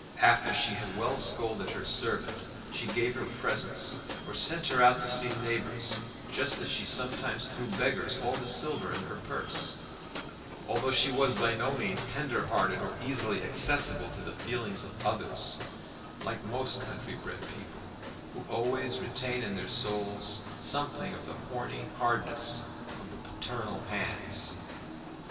After she had well scolded her servant she gave her presents or sent her out to see neighbours, just as she sometimes threw beggars all the silver in her purse, although she was by no means tender hearted or easily accessible to the feelings of others, like most country bred people, who always retain in their souls something of the horny hardness of the paternal hands.